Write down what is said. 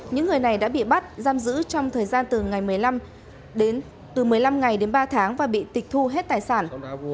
những người này đã bị bắt giam giữ trong thời gian từ một mươi năm ngày đến ba tháng và bị tịch thu hết tài sản